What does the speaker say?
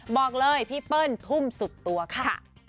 บอกเลยพี่เปิ้ลทุ่มสุดตัวค่ะ